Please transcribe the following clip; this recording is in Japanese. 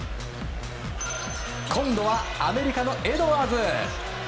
今度は、アメリカのエドワーズ。